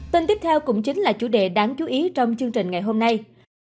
tin tiếp theo cũng chính là chủ đề đáng chú ý trong chương trình ngày hôm nay